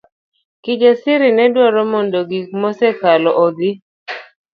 Kijasir nedwaro mondo gik mosekalo odhi.